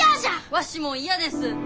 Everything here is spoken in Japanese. わしも嫌です！